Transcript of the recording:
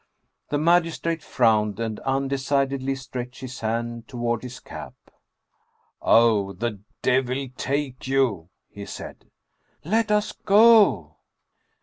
The magistrate frowned, and undecidedly stretched his hand toward his cap. " Oh, the devil take you !" he said. " Let us go